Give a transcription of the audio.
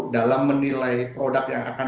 dalam menilai produk yang akan